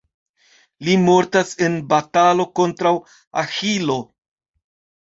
Li mortas en batalo kontraŭ Aĥilo.